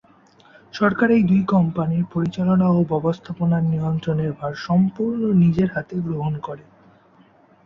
সরকার এই দুই কোম্পানির পরিচালনা ও ব্যবস্থাপনা নিয়ন্ত্রণের ভার সম্পূর্ণ নিজের হাতে গ্রহণ করে।